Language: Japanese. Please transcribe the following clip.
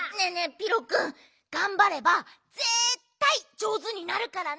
ピロくんがんばればぜったいじょうずになるからね！